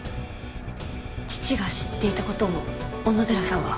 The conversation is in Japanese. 父が知っていたことを小野寺さんは？